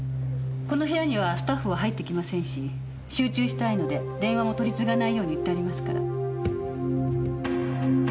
この部屋にはスタッフは入ってきませんし集中したいので電話も取り次がないように言ってありますから。